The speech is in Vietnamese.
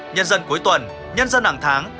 nhân dân cuối tuần nhân dân hàng tháng